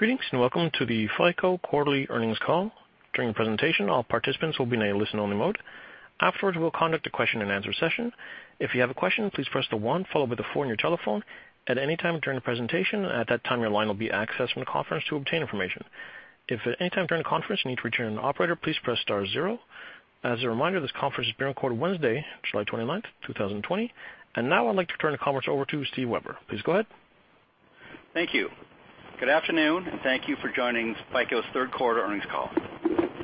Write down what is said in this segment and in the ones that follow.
Greetings, welcome to the FICO quarterly earnings call. During the presentation, all participants will be in a listen-only mode. Afterwards, we'll conduct a question and answer session. If you have a question, please press the one followed by the four on your telephone at any time during the presentation. At that time, your line will be accessed from the conference to obtain information. If at any time during the conference you need to reach an operator, please press star zero. As a reminder, this conference is being recorded Wednesday, July 29th, 2020. Now I'd like to turn the conference over to Steve Weber. Please go ahead. Thank you. Good afternoon, and thank you for joining FICO's third quarter earnings call.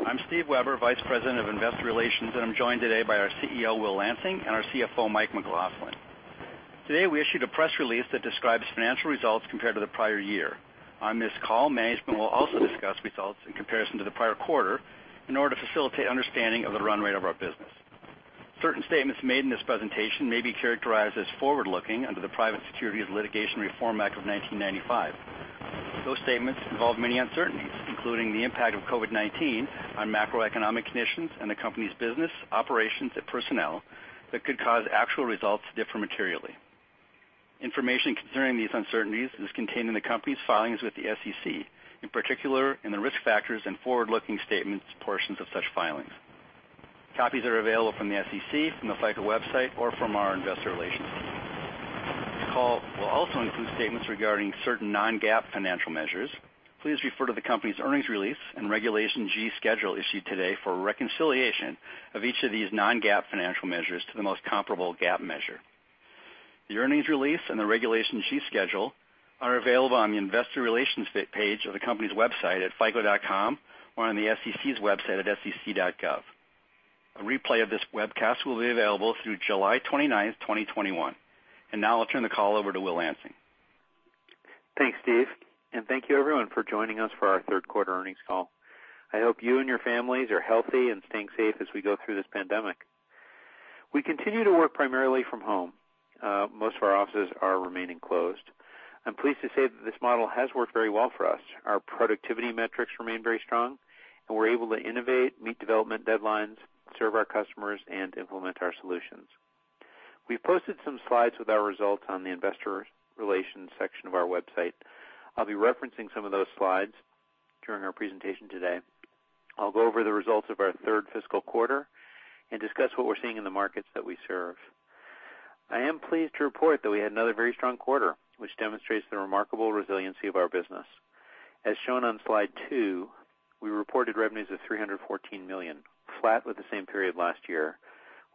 I'm Steve Weber, Vice President of Investor Relations, and I'm joined today by our CEO, Will Lansing, and our CFO, Mike McLaughlin. Today, we issued a press release that describes financial results compared to the prior year. On this call, management will also discuss results in comparison to the prior quarter in order to facilitate understanding of the run rate of our business. Certain statements made in this presentation may be characterized as forward-looking under the Private Securities Litigation Reform Act of 1995. Those statements involve many uncertainties, including the impact of COVID-19 on macroeconomic conditions and the company's business operations and personnel that could cause actual results to differ materially. Information concerning these uncertainties is contained in the company's filings with the SEC, in particular in the Risk Factors and Forward-Looking Statements portions of such filings. Copies are available from the SEC, from the FICO website, or from our investor relations team. This call will also include statements regarding certain non-GAAP financial measures. Please refer to the company's earnings release and Regulation G schedule issued today for a reconciliation of each of these non-GAAP financial measures to the most comparable GAAP measure. The earnings release and the Regulation G schedule are available on the investor relations page of the company's website at fico.com or on the SEC's website at sec.gov. A replay of this webcast will be available through July 29, 2021. Now I'll turn the call over to Will Lansing. Thanks, Steve. Thank you everyone for joining us for our third quarter earnings call. I hope you and your families are healthy and staying safe as we go through this pandemic. We continue to work primarily from home. Most of our offices are remaining closed. I'm pleased to say that this model has worked very well for us. Our productivity metrics remain very strong, and we're able to innovate, meet development deadlines, serve our customers, and implement our solutions. We've posted some slides with our results on the investor relations section of our website. I'll be referencing some of those slides during our presentation today. I'll go over the results of our third fiscal quarter and discuss what we're seeing in the markets that we serve. I am pleased to report that we had another very strong quarter, which demonstrates the remarkable resiliency of our business. As shown on slide two, we reported revenues of $314 million, flat with the same period last year,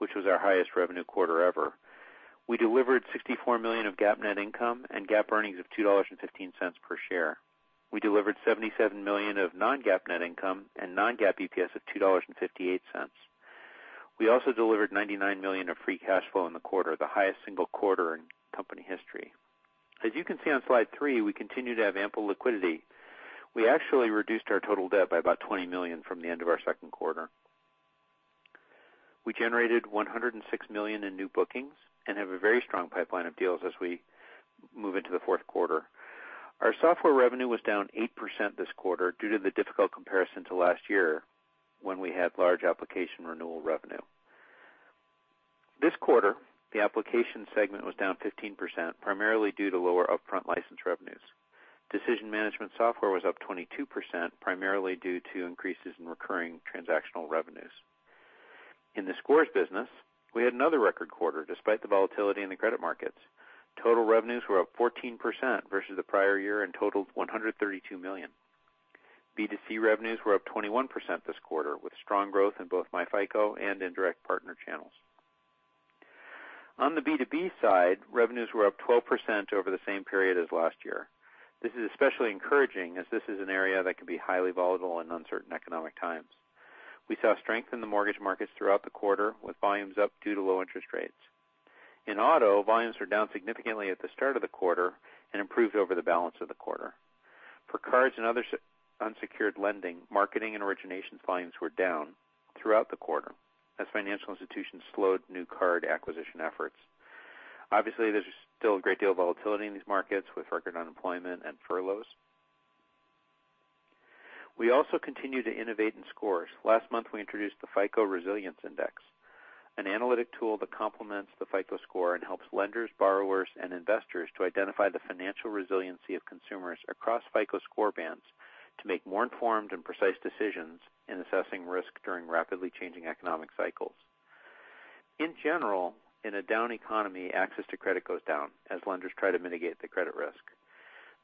which was our highest revenue quarter ever. We delivered $64 million of GAAP net income and GAAP earnings of $2.15 per share. We delivered $77 million of non-GAAP net income and non-GAAP EPS of $2.58. We also delivered $99 million of free cash flow in the quarter, the highest single quarter in company history. As you can see on slide three, we continue to have ample liquidity. We actually reduced our total debt by about $20 million from the end of our second quarter. We generated $106 million in new bookings and have a very strong pipeline of deals as we move into the fourth quarter. Our software revenue was down 8% this quarter due to the difficult comparison to last year when we had large application renewal revenue. This quarter, the application segment was down 15%, primarily due to lower upfront license revenues. Decision management software was up 22%, primarily due to increases in recurring transactional revenues. In the scores business, we had another record quarter despite the volatility in the credit markets. Total revenues were up 14% versus the prior year and totaled $132 million. B2C revenues were up 21% this quarter, with strong growth in both myFICO and indirect partner channels. On the B2B side, revenues were up 12% over the same period as last year. This is especially encouraging as this is an area that can be highly volatile in uncertain economic times. We saw strength in the mortgage markets throughout the quarter, with volumes up due to low interest rates. In auto, volumes were down significantly at the start of the quarter and improved over the balance of the quarter. For cards and other unsecured lending, marketing and origination volumes were down throughout the quarter as financial institutions slowed new card acquisition efforts. Obviously, there's still a great deal of volatility in these markets with record unemployment and furloughs. We also continue to innovate in scores. Last month, we introduced the FICO Resilience Index, an analytic tool that complements the FICO Score and helps lenders, borrowers, and investors to identify the financial resiliency of consumers across FICO Score bands to make more informed and precise decisions in assessing risk during rapidly changing economic cycles. In general, in a down economy, access to credit goes down as lenders try to mitigate the credit risk.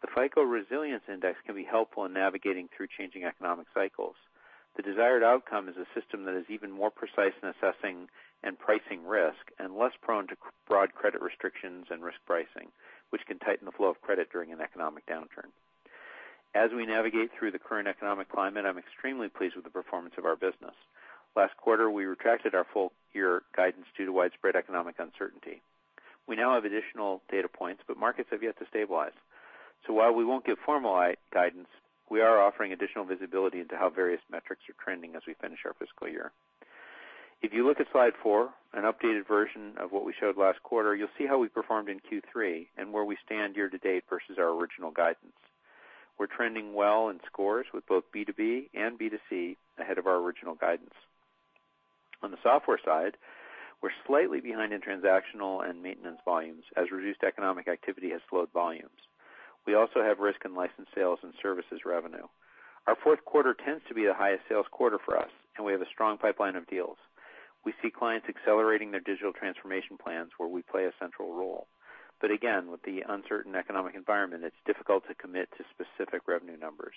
The FICO Resilience Index can be helpful in navigating through changing economic cycles. The desired outcome is a system that is even more precise in assessing and pricing risk and less prone to broad credit restrictions and risk pricing, which can tighten the flow of credit during an economic downturn. As we navigate through the current economic climate, I'm extremely pleased with the performance of our business. Last quarter, we retracted our full-year guidance due to widespread economic uncertainty. We now have additional data points, but markets have yet to stabilize. While we won't give formal guidance, we are offering additional visibility into how various metrics are trending as we finish our fiscal year. If you look at slide four, an updated version of what we showed last quarter, you'll see how we performed in Q3 and where we stand year to date versus our original guidance. We're trending well in scores with both B2B and B2C ahead of our original guidance. On the software side, we're slightly behind in transactional and maintenance volumes, as reduced economic activity has slowed volumes. We also have risk in license sales and services revenue. Our fourth quarter tends to be the highest sales quarter for us, and we have a strong pipeline of deals. We see clients accelerating their digital transformation plans where we play a central role. Again, with the uncertain economic environment, it's difficult to commit to specific revenue numbers.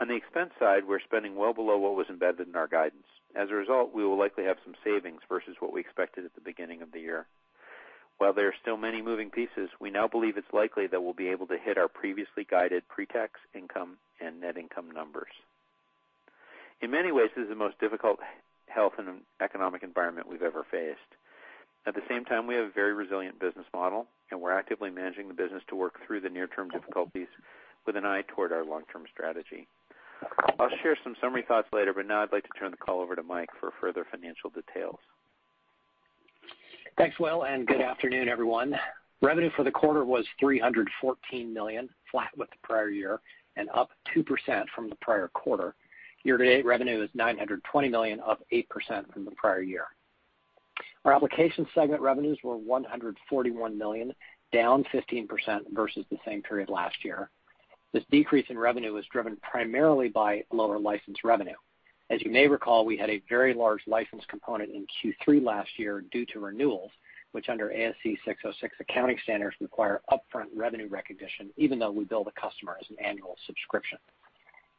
On the expense side, we're spending well below what was embedded in our guidance. As a result, we will likely have some savings versus what we expected at the beginning of the year. While there are still many moving pieces, we now believe it's likely that we'll be able to hit our previously guided pre-tax income and net income numbers. In many ways, this is the most difficult health and economic environment we've ever faced. At the same time, we have a very resilient business model, and we're actively managing the business to work through the near-term difficulties with an eye toward our long-term strategy. I'll share some summary thoughts later, but now I'd like to turn the call over to Mike for further financial details. Thanks, Will, good afternoon, everyone. Revenue for the quarter was $314 million, flat with the prior year, and up 2% from the prior quarter. Year-to-date revenue is $920 million, up 8% from the prior year. Our applications segment revenues were $141 million, down 15% versus the same period last year. This decrease in revenue was driven primarily by lower licensed revenue. As you may recall, we had a very large license component in Q3 last year due to renewals, which under ASC 606 accounting standards require upfront revenue recognition even though we bill the customer as an annual subscription.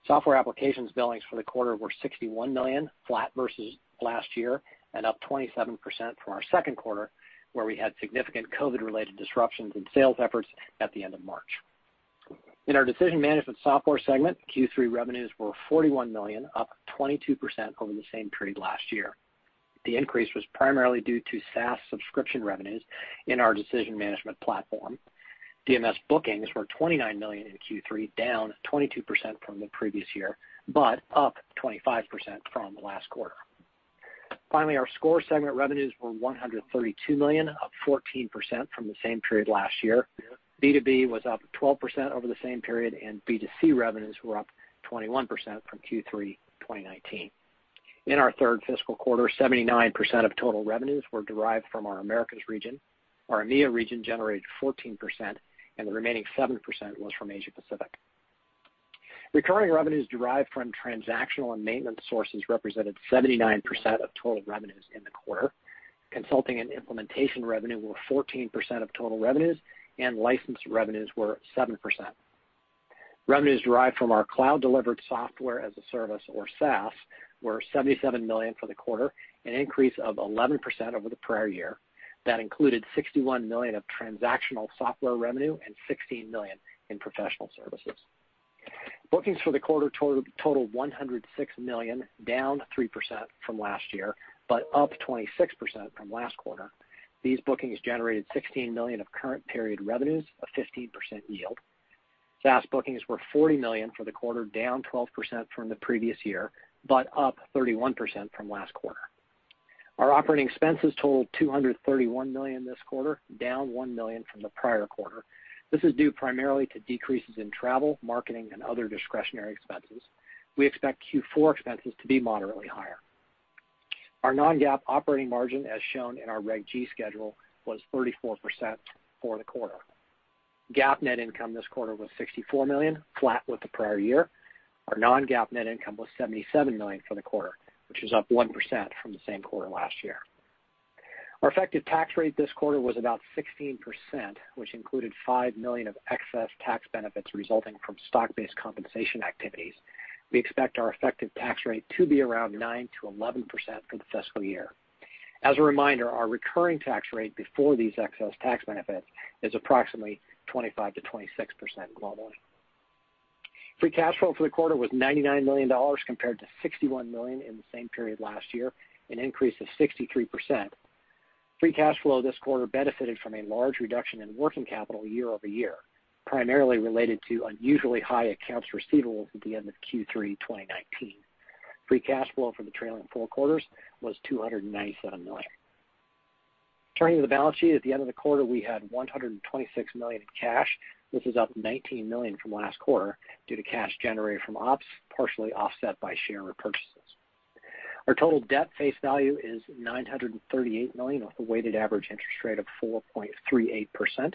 Software applications billings for the quarter were $61 million, flat versus last year, and up 27% from our second quarter, where we had significant COVID-related disruptions in sales efforts at the end of March. In our decision management software segment, Q3 revenues were $41 million, up 22% over the same period last year. The increase was primarily due to SaaS subscription revenues in our Decision Management Platform. DMS bookings were $29 million in Q3, down 22% from the previous year, but up 25% from last quarter. Our Score segment revenues were $132 million, up 14% from the same period last year. B2B was up 12% over the same period, and B2C revenues were up 21% from Q3 2019. In our third fiscal quarter, 79% of total revenues were derived from our Americas region. Our EMEA region generated 14%, and the remaining 7% was from Asia Pacific. Recurring revenues derived from transactional and maintenance sources represented 79% of total revenues in the quarter. Consulting and implementation revenue were 14% of total revenues, and license revenues were 7%. Revenues derived from our cloud-delivered software as a service, or SaaS, were $77 million for the quarter, an increase of 11% over the prior year. That included $61 million of transactional software revenue and $16 million in professional services. Bookings for the quarter totaled $106 million, down 3% from last year, up 26% from last quarter. These bookings generated $16 million of current period revenues, a 15% yield. SaaS bookings were $40 million for the quarter, down 12% from the previous year, up 31% from last quarter. Our operating expenses totaled $231 million this quarter, down $1 million from the prior quarter. This is due primarily to decreases in travel, marketing, and other discretionary expenses. We expect Q4 expenses to be moderately higher. Our non-GAAP operating margin, as shown in our Reg G schedule, was 34% for the quarter. GAAP net income this quarter was $64 million, flat with the prior year. Our non-GAAP net income was $77 million for the quarter, which is up 1% from the same quarter last year. Our effective tax rate this quarter was about 16%, which included $5 million of excess tax benefits resulting from stock-based compensation activities. We expect our effective tax rate to be around 9%-11% for the fiscal year. As a reminder, our recurring tax rate before these excess tax benefits is approximately 25%-26% globally. Free cash flow for the quarter was $99 million, compared to $61 million in the same period last year, an increase of 63%. Free cash flow this quarter benefited from a large reduction in working capital year-over-year, primarily related to unusually high accounts receivables at the end of Q3 2019. Free cash flow for the trailing four quarters was $297 million. Turning to the balance sheet, at the end of the quarter, we had $126 million in cash. This is up $19 million from last quarter due to cash generated from ops, partially offset by share repurchases. Our total debt face value is $938 million, with a weighted average interest rate of 4.38%.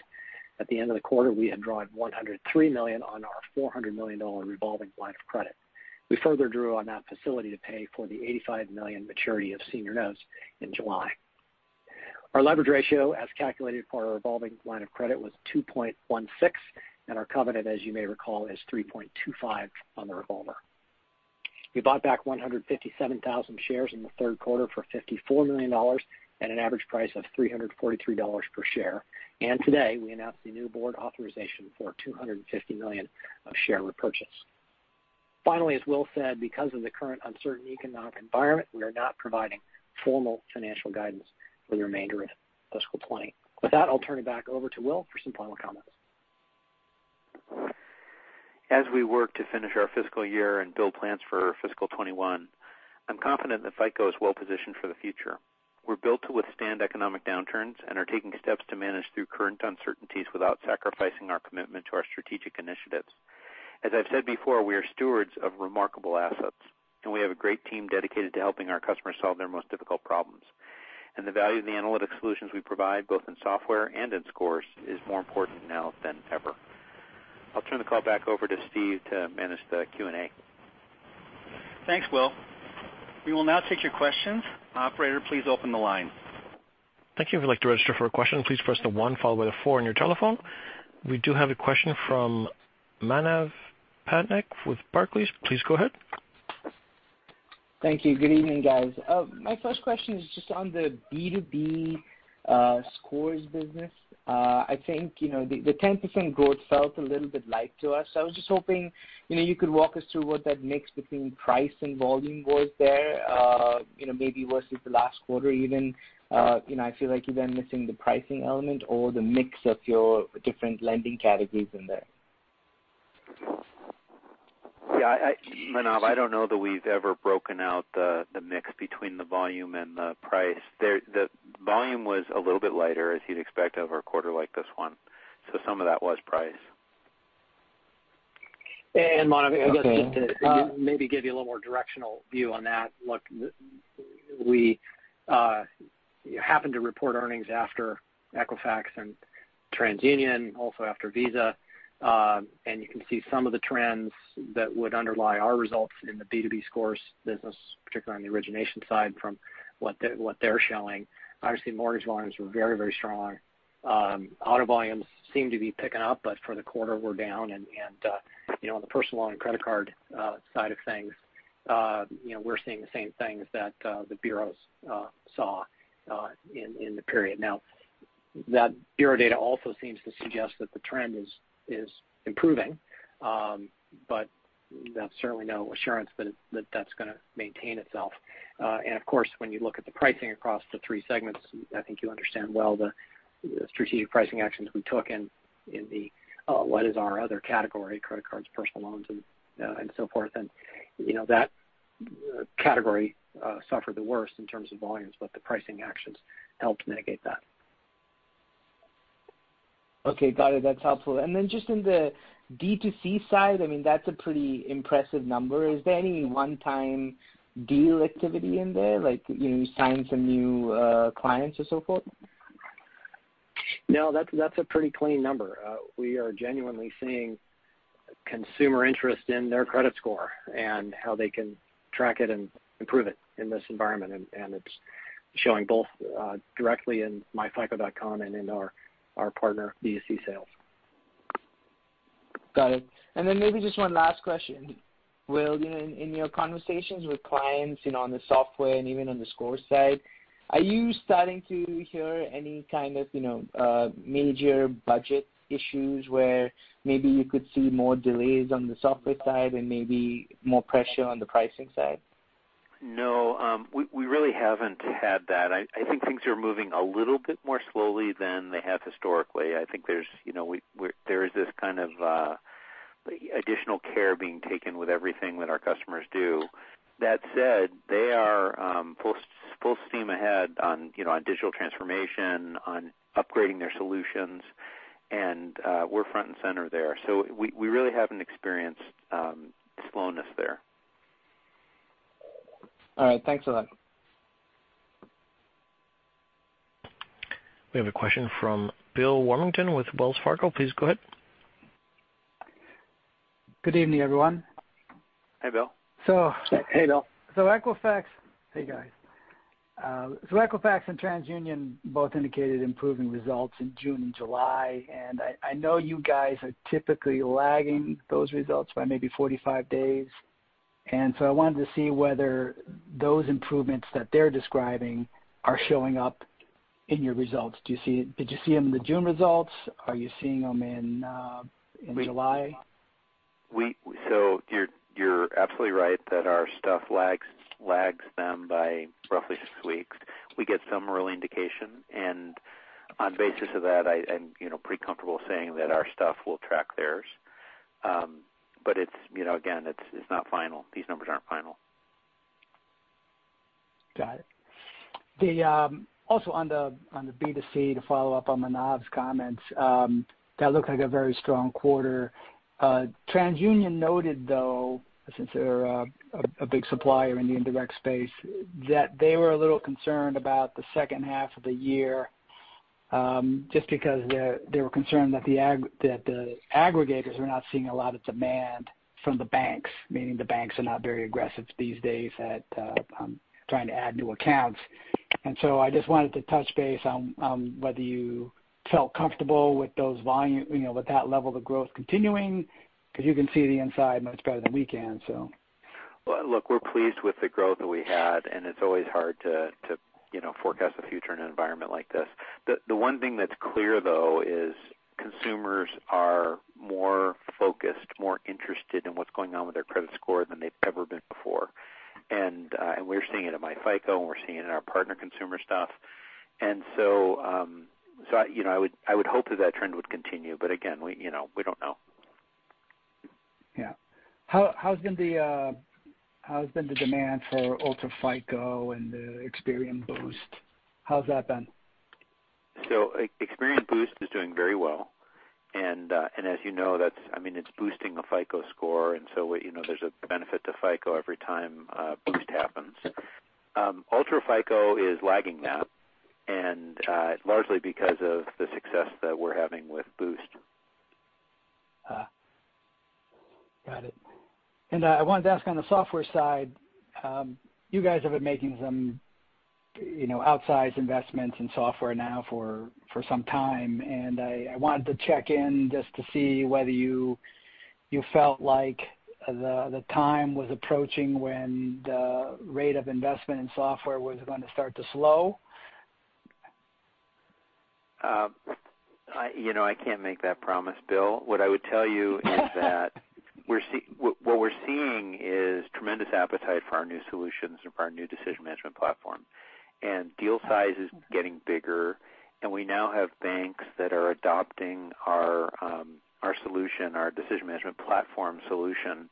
At the end of the quarter, we had drawn $103 million on our $400 million revolving line of credit. We further drew on that facility to pay for the $85 million maturity of senior notes in July. Our leverage ratio, as calculated for our revolving line of credit, was 2.16, and our covenant, as you may recall, is 3.25 on the revolver. We bought back 157,000 shares in the third quarter for $54 million at an average price of $343 per share. Today, we announced the new board authorization for $250 million of share repurchase. Finally, as Will said, because of the current uncertain economic environment, we are not providing formal financial guidance for the remainder of fiscal 2020. With that, I'll turn it back over to Will for some final comments. As we work to finish our fiscal year and build plans for fiscal 2021, I'm confident that FICO is well-positioned for the future. We're built to withstand economic downturns and are taking steps to manage through current uncertainties without sacrificing our commitment to our strategic initiatives. As I've said before, we are stewards of remarkable assets. We have a great team dedicated to helping our customers solve their most difficult problems. The value of the analytic solutions we provide, both in software and in scores, is more important now than ever. I'll turn the call back over to Steve to manage the Q&A. Thanks, Will. We will now take your questions. Operator, please open the line. Thank you. If you'd like to register for a question, please press the one followed by the four on your telephone. We do have a question from Manav Patnaik with Barclays. Please go ahead. Thank you. Good evening, guys. My first question is just on the B2B scores business. I think, the 10% growth felt a little bit light to us. I was just hoping you could walk us through what that mix between price and volume was there maybe versus the last quarter even. I feel like you've been missing the pricing element or the mix of your different lending categories in there. Yeah, Manav, I don't know that we've ever broken out the mix between the volume and the price. The volume was a little bit lighter, as you'd expect over a quarter like this one. Some of that was price. Manav. Okay I guess just to maybe give you a little more directional view on that. Look, we happen to report earnings after Equifax and TransUnion, also after Visa. You can see some of the trends that would underlie our results in the B2B scores business, particularly on the origination side from what they're showing. Obviously, mortgage volumes were very strong. Auto volumes seem to be picking up, but for the quarter were down and the personal loan and credit card side of things, we're seeing the same things that the bureaus saw in the period. Now, that bureau data also seems to suggest that the trend is improving. That's certainly no assurance that that's going to maintain itself. Of course, when you look at the pricing across the three segments, I think you understand well the strategic pricing actions we took in what is our other category, credit cards, personal loans, and so forth. That category suffered the worst in terms of volumes, but the pricing actions helped mitigate that. Okay, got it. That's helpful. Just in the D2C side, that's a pretty impressive number. Is there any one-time deal activity in there, like you signed some new clients or so forth? That's a pretty clean number. We are genuinely seeing consumer interest in their credit score and how they can track it and improve it in this environment. It's showing both directly in myfico.com and in our partner D2C sales. Got it. Maybe just one last question. Will, in your conversations with clients on the software and even on the score side, are you starting to hear any kind of major budget issues where maybe you could see more delays on the software side and maybe more pressure on the pricing side? No, we really haven't had that. I think things are moving a little bit more slowly than they have historically. I think there is this kind of additional care being taken with everything that our customers do. That said, they are full steam ahead on digital transformation, on upgrading their solutions, and we're front and center there. We really haven't experienced slowness there. All right. Thanks a lot. We have a question from Bill Warmington with Wells Fargo. Please go ahead. Good evening, everyone. Hi, Bill. Hey, Bill. Hey, guys. Equifax and TransUnion both indicated improving results in June and July, and I know you guys are typically lagging those results by maybe 45 days. I wanted to see whether those improvements that they're describing are showing up in your results. Did you see them in the June results? Are you seeing them in July? You're absolutely right that our stuff lags them by roughly six weeks. We get some early indication, and on the basis of that, I'm pretty comfortable saying that our stuff will track theirs. Again, it's not final. These numbers aren't final. Got it. Also on the B2C, to follow up on Manav's comments, that looked like a very strong quarter. TransUnion noted, though, since they're a big supplier in the indirect space, that they were a little concerned about the second half of the year, just because they were concerned that the aggregators are not seeing a lot of demand from the banks, meaning the banks are not very aggressive these days at trying to add new accounts. I just wanted to touch base on whether you felt comfortable with that level of growth continuing because you can see the inside much better than we can. Look, we're pleased with the growth that we had, and it's always hard to forecast the future in an environment like this. The one thing that's clear, though, is consumers are more focused, more interested in what's going on with their credit score than they've ever been before. We're seeing it in myFICO, and we're seeing it in our partner consumer stuff. I would hope that that trend would continue. Again, we don't know. Yeah. How's been the demand for UltraFICO and the Experian Boost? How's that been? Experian Boost is doing very well. As you know, it's boosting a FICO Score, and so there's a benefit to FICO every time Boost happens. UltraFICO is lagging that, and largely because of the success that we're having with Boost. Got it. I wanted to ask on the software side, you guys have been making some outsize investments in software now for some time, and I wanted to check in just to see whether you felt like the time was approaching when the rate of investment in software was going to start to slow? I can't make that promise, Bill. What I would tell you is that what we're seeing is tremendous appetite for our new solutions and for our new Decision Management Platform. Deal size is getting bigger, and we now have banks that are adopting our solution, our Decision Management Platform solution,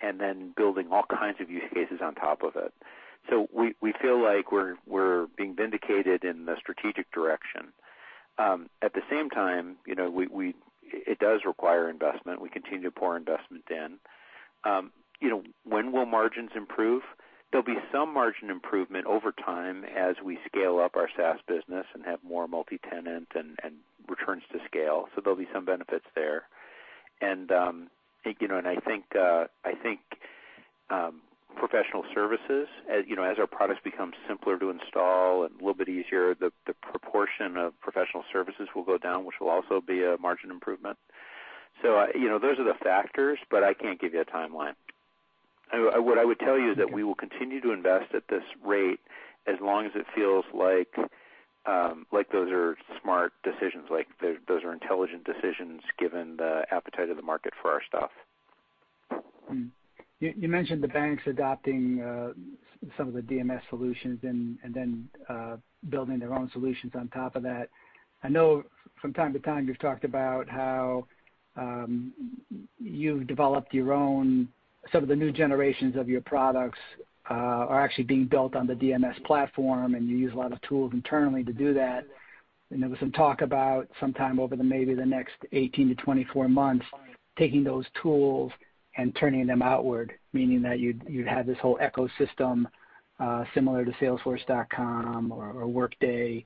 and then building all kinds of use cases on top of it. We feel like we're being vindicated in the strategic direction. At the same time, it does require investment. We continue to pour investment in. When will margins improve? There'll be some margin improvement over time as we scale up our SaaS business and have more multi-tenant and returns to scale. There'll be some benefits there. I think professional services, as our products become simpler to install and a little bit easier, the proportion of professional services will go down, which will also be a margin improvement. Those are the factors, but I can't give you a timeline. What I would tell that we will continue to invest at this rate as long as it feels like those are smart decisions, like those are intelligent decisions given the appetite of the market for our stuff. You mentioned the banks adopting some of the DMS solutions and then building their own solutions on top of that. I know from time to time you've talked about how some of the new generations of your products are actually being built on the DMS platform, and you use a lot of tools internally to do that. There was some talk about sometime over maybe the next 18 to 24 months, taking those tools and turning them outward, meaning that you'd have this whole ecosystem, similar to Salesforce or Workday,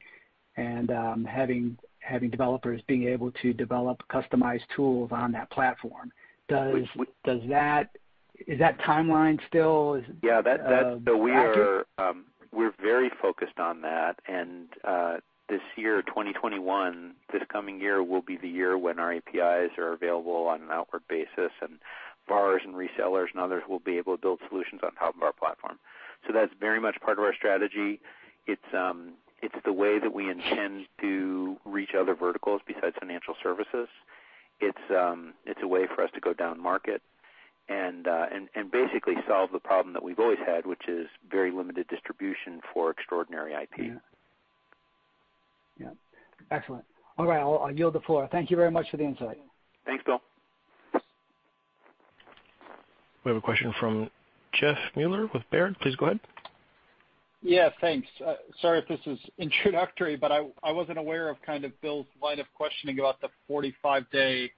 and having developers being able to develop customized tools on that platform. Is that timeline still accurate? We're very focused on that. This year, 2021, this coming year will be the year when our APIs are available on an outward basis, and borrowers and resellers and others will be able to build solutions on top of our platform. That's very much part of our strategy. It's the way that we intend to reach other verticals besides financial services. It's a way for us to go down market and basically solve the problem that we've always had, which is very limited distribution for extraordinary IP. Yeah. Excellent. All right. I'll yield the floor. Thank you very much for the insight. Thanks, Bill. We have a question from Jeff Meuler with Baird. Please go ahead. Yeah, thanks. Sorry if this is introductory, but I wasn't aware of Bill's line of questioning about the 45-day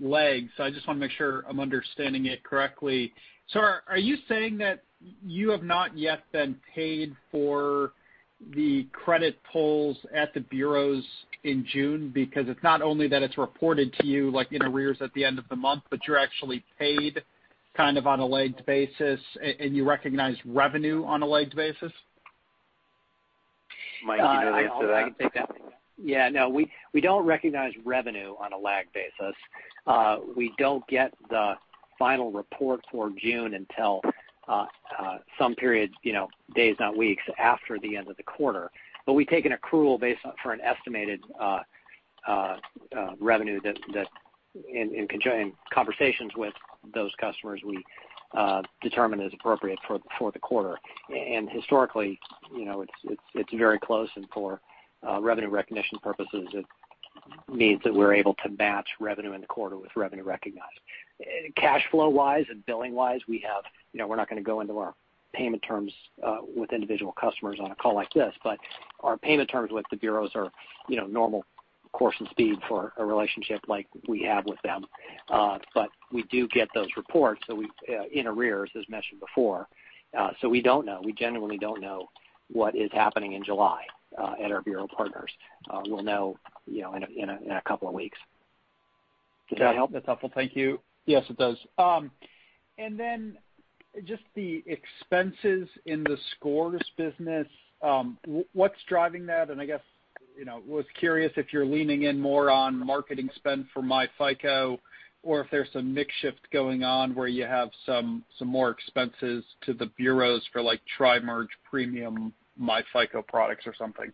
lag. I just want to make sure I'm understanding it correctly. Are you saying that you have not yet been paid for the credit pulls at the bureaus in June because it's not only that it's reported to you like in arrears at the end of the month, but you're actually paid on a lagged basis and you recognize revenue on a lagged basis? Mike, you can answer that. I can take that. Yeah, no, we don't recognize revenue on a lagged basis. We don't get the final report for June until some period, days, not weeks, after the end of the quarter. We take an accrual for an estimated revenue that in conversations with those customers, we determine is appropriate for the quarter. Historically, it's very close and for revenue recognition purposes, it means that we're able to match revenue in the quarter with revenue recognized. Cash flow-wise and billing-wise, we're not going to go into our payment terms with individual customers on a call like this, but our payment terms with the bureaus are normal course and speed for a relationship like we have with them. We do get those reports in arrears, as mentioned before. We don't know. We genuinely don't know what is happening in July at our bureau partners. We'll know in a couple of weeks. Does that help? That's helpful. Thank you. Yes, it does. Just the expenses in the scores business. What's driving that? I guess, was curious if you're leaning in more on marketing spend for myFICO or if there's some mix shift going on where you have some more expenses to the bureaus for like tri-merge premium myFICO products or something.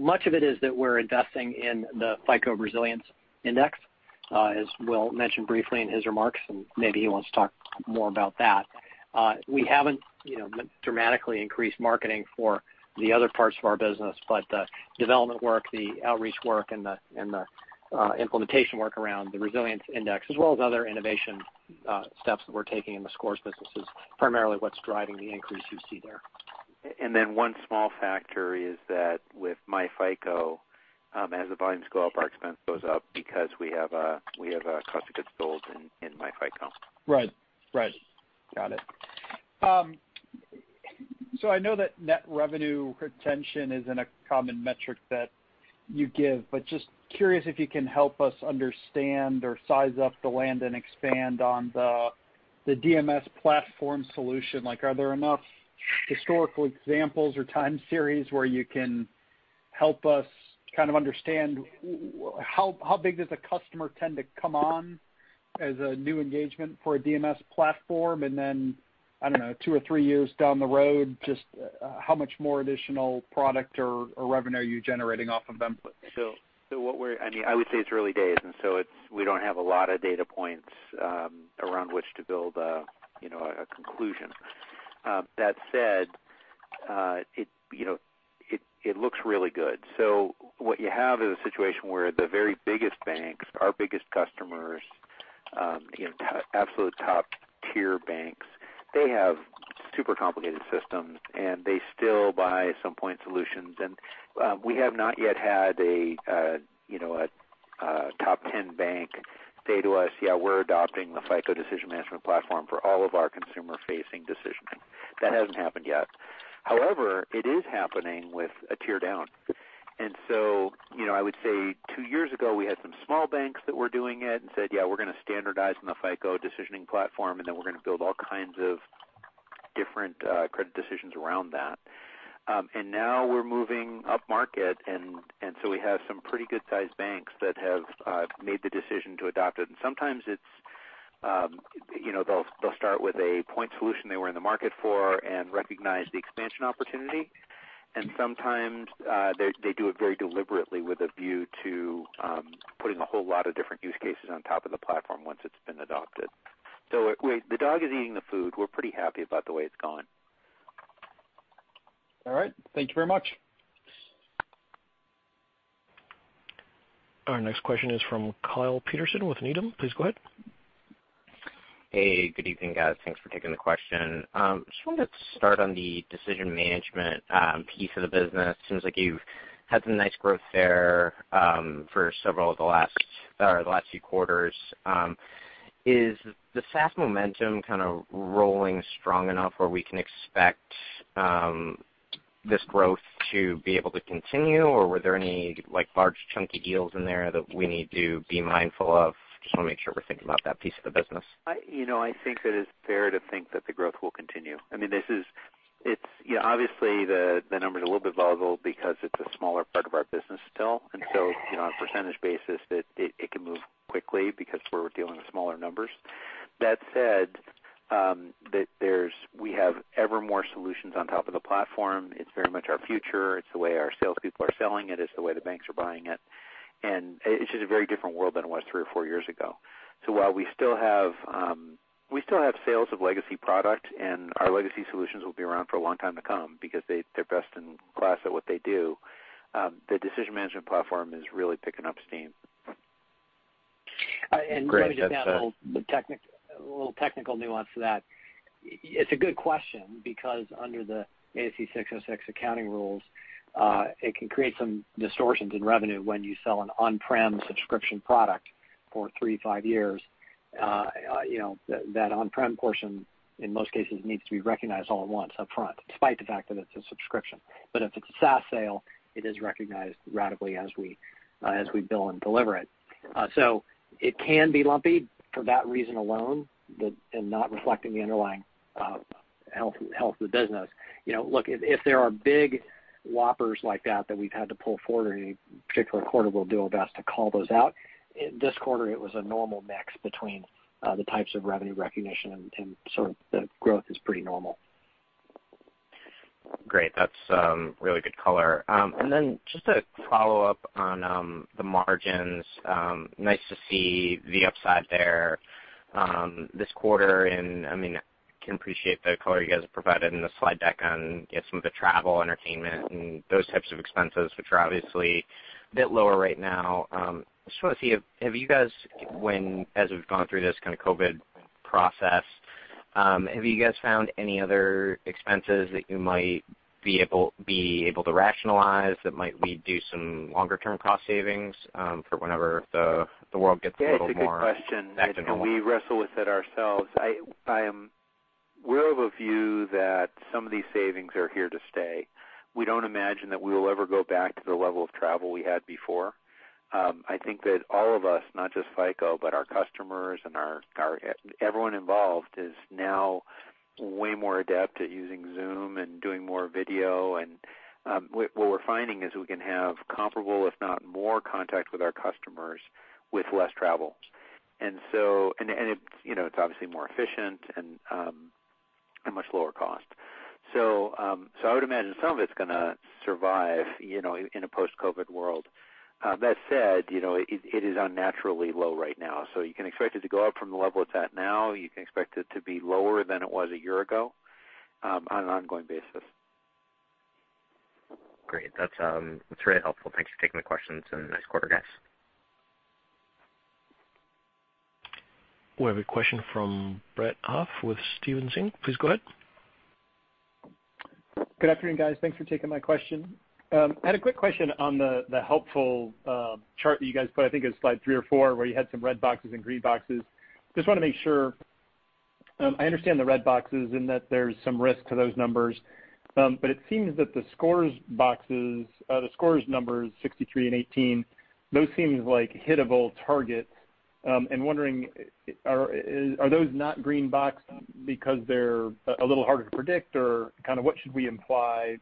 Much of it is that we're investing in the FICO Resilience Index, as Will mentioned briefly in his remarks, and maybe he wants to talk more about that. We haven't dramatically increased marketing for the other parts of our business, but the development work, the outreach work, and the implementation work around the Resilience Index, as well as other innovation steps that we're taking in the scores business is primarily what's driving the increase you see there. One small factor is that with myFICO, as the volumes go up, our expense goes up because we have a cost of goods sold in myFICO. Right. Got it. I know that net revenue retention isn't a common metric that you give, but just curious if you can help us understand or size up the land and expand on the DMS platform solution. Are there enough historical examples or time series where you can help us understand how big does a customer tend to come on as a new engagement for a DMS platform? Then, I don't know, two or three years down the road, just how much more additional product or revenue are you generating off of them? I would say it's early days, we don't have a lot of data points around which to build a conclusion. That said, it looks really good. What you have is a situation where the very biggest banks, our biggest customers, absolute top-tier banks, they have super complicated systems, and they still buy some point solutions. We have not yet had a top 10 bank say to us, Yeah, we're adopting the FICO Decision Management Platform for all of our consumer-facing decisioning. That hasn't happened yet. However, it is happening with a tier down. I would say two years ago, we had some small banks that were doing it and said, Yeah, we're going to standardize on the FICO Decisioning Platform, and then we're going to build all kinds of different credit decisions around that. Now we're moving up market, and so we have some pretty good-sized banks that have made the decision to adopt it. Sometimes they'll start with a point solution they were in the market for and recognize the expansion opportunity. Sometimes they do it very deliberately with a view to putting a whole lot of different use cases on top of the platform once it's been adopted. The dog is eating the food. We're pretty happy about the way it's going. All right. Thank you very much. Our next question is from Kyle Peterson with Needham. Please go ahead. Hey, good evening, guys. Thanks for taking the question. Just wanted to start on the decision management piece of the business. Seems like you've had some nice growth there for several of the last few quarters. Is the SaaS momentum kind of rolling strong enough where we can expect this growth to be able to continue, or were there any large chunky deals in there that we need to be mindful of? Just want to make sure we're thinking about that piece of the business. I think that it's fair to think that the growth will continue. Obviously, the number's a little bit volatile because it's a smaller part of our business still. On a percentage basis, it can move quickly because we're dealing with smaller numbers. That said, we have ever more solutions on top of the platform. It's very much our future. It's the way our salespeople are selling it. It's the way the banks are buying it. It's just a very different world than it was three or four years ago. While we still have sales of legacy product, and our legacy solutions will be around for a long time to come because they're best in class at what they do, the Decision Management Platform is really picking up steam. Graham, just to add a little technical nuance to that. It's a good question because under the ASC 606 accounting rules, it can create some distortions in revenue when you sell an on-prem subscription product for three to five years. That on-prem portion, in most cases, needs to be recognized all at once upfront, despite the fact that it's a subscription. If it's a SaaS sale, it is recognized ratably as we bill and deliver it. It can be lumpy for that reason alone and not reflecting the underlying health of the business. Look, if there are big whoppers like that that we've had to pull forward in any particular quarter, we'll do our best to call those out. This quarter, it was a normal mix between the types of revenue recognition and sort of the growth is pretty normal. Great. That's really good color. Just a follow-up on the margins. Nice to see the upside there this quarter, and I can appreciate the color you guys have provided in the slide deck on some of the travel, entertainment, and those types of expenses, which are obviously a bit lower right now. Just want to see, as we've gone through this kind of COVID process, have you guys found any other expenses that you might be able to rationalize that might lead to some longer-term cost savings for whenever the world gets a little more back to normal? Yeah, it's a good question. We wrestle with it ourselves. We're of a view that some of these savings are here to stay. We don't imagine that we will ever go back to the level of travel we had before. I think that all of us, not just FICO, but our customers and everyone involved, is now way more adept at using Zoom and doing more video. What we're finding is we can have comparable, if not more contact with our customers with less travel. It's obviously more efficient and much lower cost. I would imagine some of it's going to survive in a post-COVID world. That said, it is unnaturally low right now. You can expect it to go up from the level it's at now. You can expect it to be lower than it was a year ago on an ongoing basis. Great. That's really helpful. Thanks for taking the questions, and nice quarter, guys. We have a question from Brett Huff with Stephens Inc. Please go ahead. Good afternoon, guys. Thanks for taking my question. I had a quick question on the helpful chart that you guys put, I think it was slide three or four, where you had some red boxes and green boxes. Just want to make sure. I understand the red boxes and that there's some risk to those numbers, but it seems that the scores numbers, 63 and 18, those seem like hittable targets. I'm wondering, are those not green boxed because they're a little harder to predict, or what should we imply,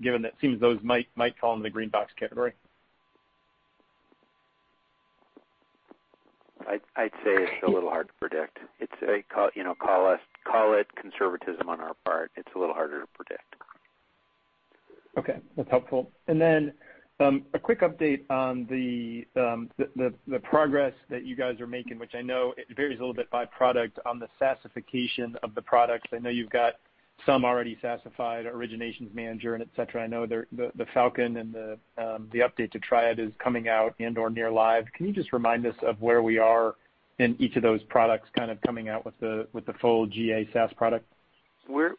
given that it seems those might fall in the green box category? I'd say it's a little hard to predict. Call it conservatism on our part. It's a little harder to predict. Okay. That's helpful. A quick update on the progress that you guys are making, which I know it varies a little bit by product on the SaaSification of the products. I know you've got some already SaaSified, Origination Manager and et cetera. I know the Falcon and the update to TRIAD is coming out and/or near live. Can you just remind us of where we are in each of those products kind of coming out with the full GA SaaS product? We're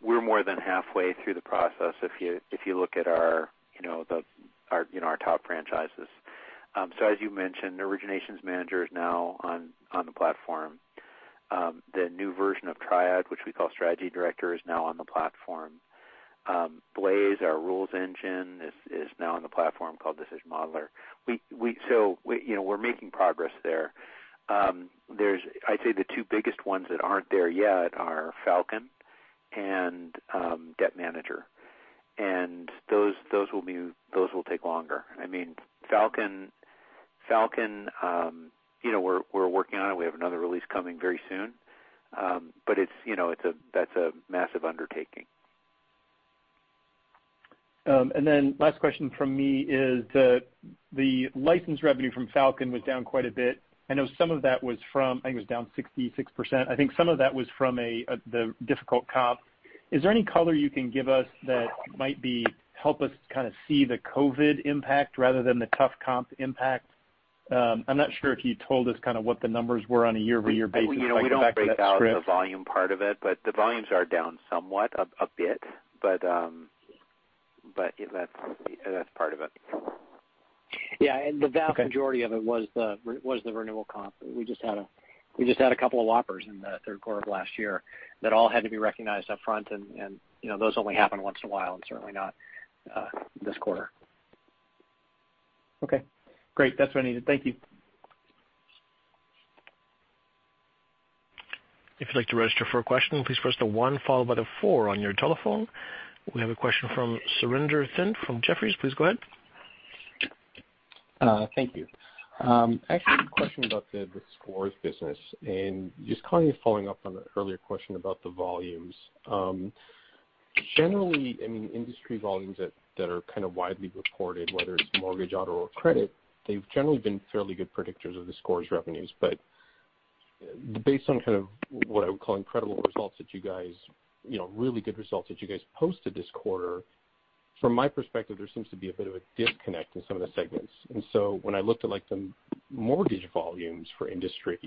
more than halfway through the process if you look at our top franchises. As you mentioned, Origination Manager is now on the platform. The new version of TRIAD, which we call Strategy Director, is now on the platform. Blaze, our rules engine, is now on the platform called Decision Modeler. We're making progress there. I'd say the two biggest ones that aren't there yet are Falcon and Debt Manager. Those will take longer. Falcon, we're working on it. We have another release coming very soon. That's a massive undertaking. Last question from me is the license revenue from Falcon was down quite a bit. I know some of that was from I think it was down 66%. I think some of that was from the difficult comp. Is there any color you can give us that might help us see the COVID impact rather than the tough comp impact? I'm not sure if you told us what the numbers were on a year-over-year basis going back to that script. We don't break out the volume part of it, but the volumes are down somewhat, a bit. That's part of it. Yeah. The vast majority of it was the renewal comp. We just had a couple of whoppers in the third quarter of last year that all had to be recognized upfront, and those only happen once in a while and certainly not this quarter. Okay. Great. That's what I needed. Thank you. If you'd like to register for a question, please press the one followed by the four on your telephone. We have a question from Surinder Thind from Jefferies. Please go ahead. Thank you. Actually, a question about the Scores business and just kind of following up on the earlier question about the volumes. Generally, industry volumes that are kind of widely reported, whether it's mortgage, auto or credit, they've generally been fairly good predictors of the Scores revenues. Based on what I would call really good results that you guys posted this quarter, from my perspective, there seems to be a bit of a disconnect in some of the segments. When I looked at the mortgage volumes for industry,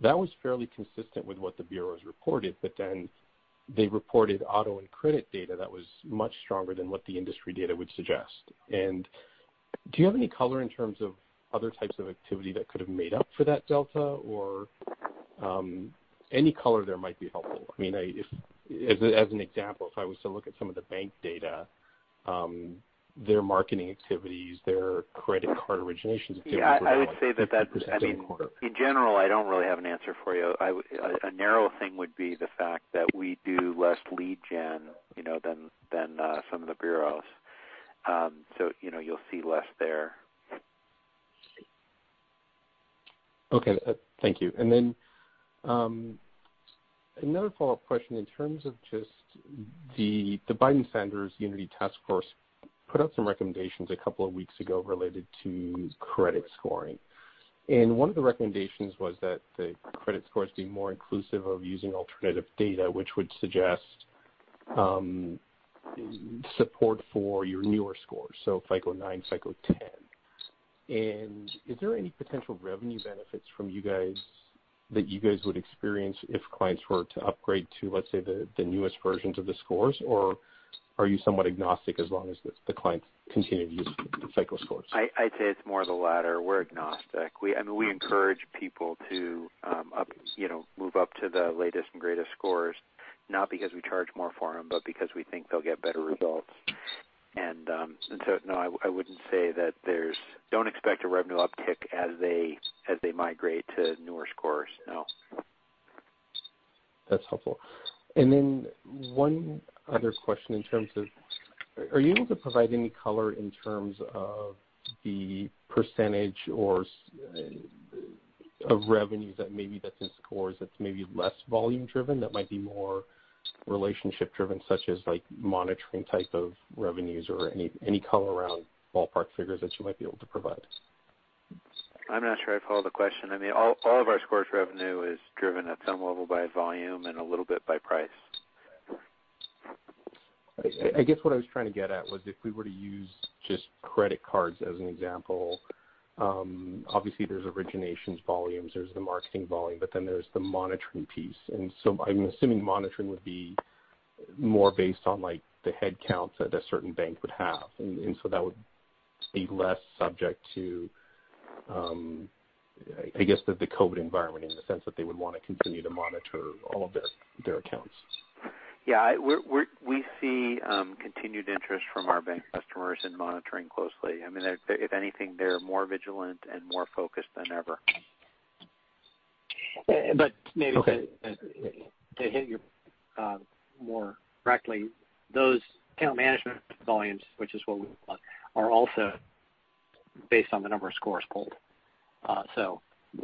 that was fairly consistent with what the bureaus reported, but then they reported auto and credit data that was much stronger than what the industry data would suggest. Do you have any color in terms of other types of activity that could have made up for that delta or any color there might be helpful. As an example, if I was to look at some of the bank data, their marketing activities, their credit card originations were down 50% quarter-over-quarter. In general, I don't really have an answer for you. A narrow thing would be the fact that we do less lead gen than some of the bureaus. You'll see less there. Okay. Thank you. Another follow-up question in terms of just the Biden-Sanders Unity Task Force put out some recommendations a couple of weeks ago related to credit scoring. One of the recommendations was that the credit scores be more inclusive of using alternative data, which would suggest support for your newer scores. FICO 9, FICO 10. Is there any potential revenue benefits from you guys that you guys would experience if clients were to upgrade to, let's say, the newest versions of the scores? Are you somewhat agnostic as long as the clients continue to use FICO scores? I'd say it's more of the latter. We're agnostic. We encourage people to move up to the latest and greatest scores, not because we charge more for them, but because we think they'll get better results. No, I wouldn't say that don't expect a revenue uptick as they migrate to newer scores, no. That's helpful. Then one other question in terms of, are you able to provide any color in terms of the percentage of revenues that maybe that's in Scores that's maybe less volume driven, that might be more relationship driven, such as monitoring type of revenues or any color around ballpark figures that you might be able to provide? I'm not sure I follow the question. All of our scores revenue is driven at some level by volume and a little bit by price. I guess what I was trying to get at was if we were to use just credit cards as an example, obviously there's originations volumes, there's the marketing volume, there's the monitoring piece. I'm assuming monitoring would be more based on the headcounts that a certain bank would have. That would be less subject to, I guess, the COVID environment in the sense that they would want to continue to monitor all of their accounts. Yeah. We see continued interest from our bank customers in monitoring closely. If anything, they're more vigilant and more focused than ever. Maybe to hit it more directly, those account management volumes, which is what we would call it, are also based on the number of scores pulled.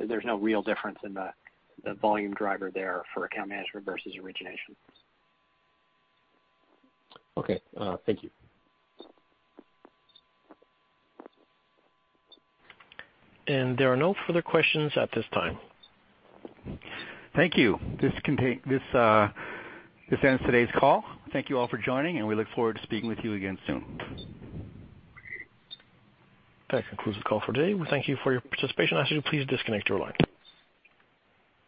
There's no real difference in the volume driver there for account management versus origination. Okay. Thank you. There are no further questions at this time. Thank you. This ends today's call. Thank you all for joining, and we look forward to speaking with you again soon. That concludes the call for today. We thank you for your participation. I ask you to please disconnect your line.